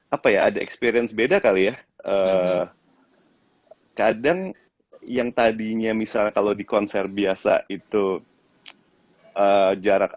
apa ya ada experience beda kali ya kadang yang tadinya misalnya kalau di konser biasa itu jarak